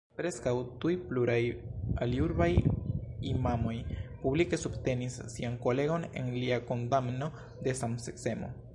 Preskaŭ tuj pluraj aliurbaj imamoj publike subtenis sian kolegon en lia kondamno de samseksemo.